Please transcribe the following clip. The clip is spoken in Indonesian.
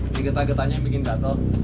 ini getah getahnya yang bikin gatel